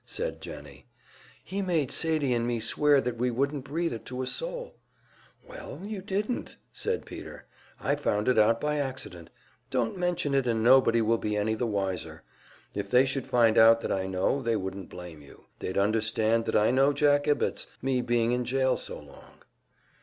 said Jennie, "He made Sadie and me swear that we wouldn't breathe it to a soul." "Well, you didn't tell," said Peter. "I found it out by accident. Don't mention it, and nobody will be any the wiser. If they should find out that I know, they wouldn't blame you; they'd understand that I know Jack Ibbetts me being in jail so long."